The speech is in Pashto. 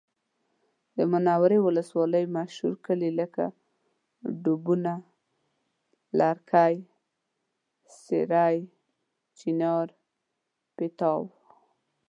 د منورې ولسوالۍ مشهور کلي لکه ډوبونه، لرکلی، سېرۍ، چینار، پیتاو